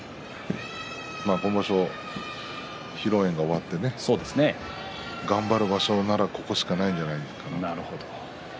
今場所、披露宴が終わってね頑張る場所ならここしかないんじゃないかな。